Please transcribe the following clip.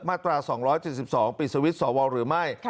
มาตรา๒๗๒ปิดสวิตช์สวหรือไม่